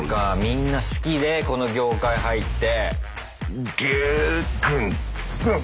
みんな好きでこの業界入って。